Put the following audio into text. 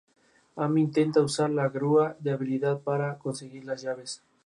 La canción tiene una aportación solidaria con el visionado del vídeo.